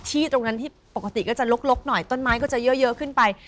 ตรงนั้นที่ปกติก็จะลกหน่อยต้นไม้ก็จะเยอะขึ้นไป